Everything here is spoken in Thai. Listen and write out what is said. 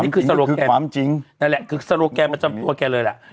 คือความจริงนั่นแหละคือสโลแกนประจำตัวแกเลยล่ะ